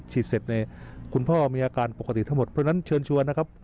ฉีดเสร็จคุณพ่อมีอาการปกติทั้งหมดเพราะฉันโชนนะครับ